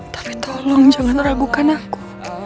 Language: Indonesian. tapi tolong jangan ragukan aku